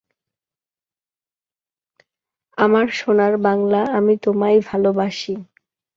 In the same year, Sorum also began playing with newly formed Camp Freddy.